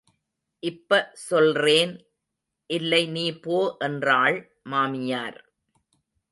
இப்ப சொல்றேன், இல்லை நீ போ என்றாள் மாமியார்.